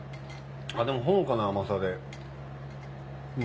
でもほのかな甘さで。